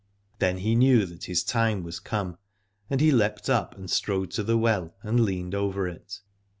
Then he knew that his time was come, and he leapt up and strode to the well and leaned over it.